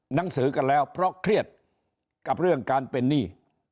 หนังสือกันแล้วเพราะเครียดกับเรื่องการเป็นหนี้